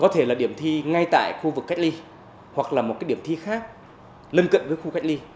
thì ngay tại khu vực cách ly hoặc là một cái điểm thi khác lân cận với khu cách ly